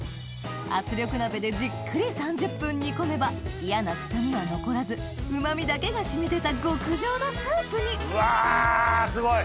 圧力鍋でじっくり３０分煮込めば嫌な臭みは残らず旨味だけが染み出た極上のスープにうわすごい！